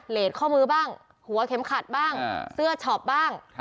ข้อมือบ้างหัวเข็มขัดบ้างเสื้อช็อปบ้าง